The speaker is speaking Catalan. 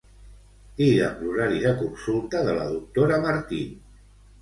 Digue'm l'horari de consulta de la doctora Martí.